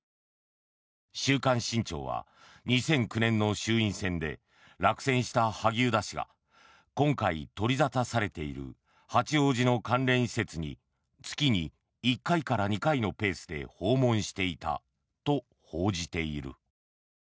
「週刊新潮」は２００９年の衆院選で落選した萩生田氏が今回、取り沙汰されている八王子の関連施設に月に１回から２回のペースで訪問していたと報じている。